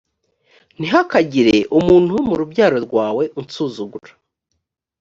ntihakagire umuntu wo mu rubyaro rwawe unsuzugura